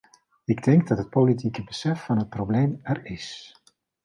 Ik denk dat het politieke besef van het probleem er is.